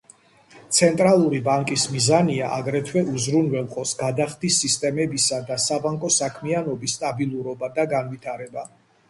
ცენტრალური ბანკის მიზანია აგრეთვე უზრუნველყოს გადახდის სისტემებისა და საბანკო საქმიანობის სტაბილურობა და განვითარება.